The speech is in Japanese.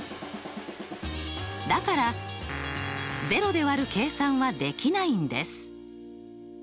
だから０で割る計算はできないんです。